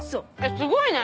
すごいね！